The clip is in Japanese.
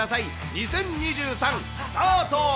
２０２３、スタート。